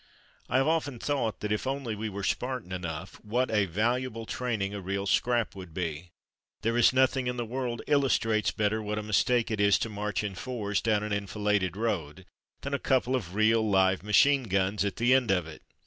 I have often thought that if only we were Spartan enough what a valuable training a real scrap would be. There is nothing in the world illustrates better what a mis take it is to march in fours down an enfiladed road than a couple of real live machine guns at the end of it.